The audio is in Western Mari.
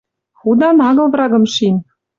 Худан агыл врагым шин.